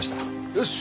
よし！